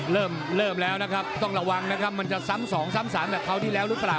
เริ่มเริ่มแล้วนะครับต้องระวังนะครับมันจะซ้ำสองซ้ำสามแบบคราวที่แล้วหรือเปล่า